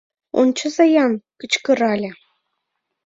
— Ончыза-ян! — кычкырале.